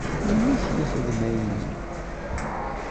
Melmi i k-yexdem ayenni?